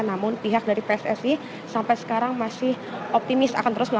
namun pihak dari pssi sampai sekarang masih optimis akan terus melakukan